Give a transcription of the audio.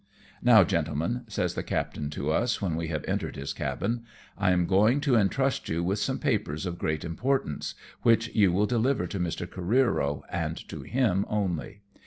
" Now, gentlemen," says the captain to us, when we have entered his cabin, " I am going to entrust you with some papers of great importance, which you will deliver to Mr. Careero, and to him only.